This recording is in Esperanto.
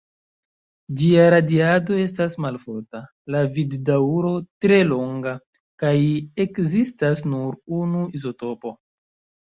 Ĝia radiado estas malforta, la vivdaŭro tre longa, kaj ekzistas nur unu izotopo.